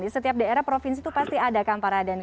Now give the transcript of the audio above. di setiap daerah provinsi itu pasti ada kan pak raden